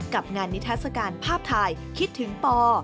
กับงานนิทัศกาลภาพถ่ายคิดถึงปอ